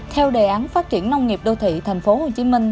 theo đề án phát triển nông nghiệp đô thị tp hcm